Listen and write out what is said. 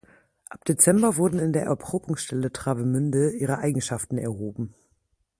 Ab Dezember wurden in der Erprobungsstelle Travemünde ihre Eigenschaften erhoben.